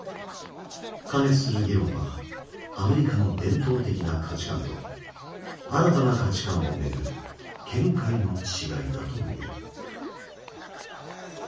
過熱する議論はアメリカの伝統的な価値観と新たな価値観を巡る見解の違いだと見る。